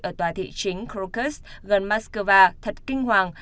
ở tòa thị chính crocus gần moskova thật kinh hoàng